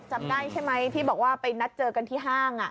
จำได้ใช่ไหมที่บอกว่าไปนัดเจอกันที่ห้าง